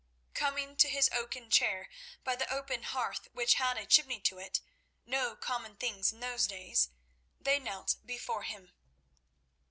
Coming to his oaken chair by the open hearth which had a chimney to it—no common thing in those days—they knelt before him.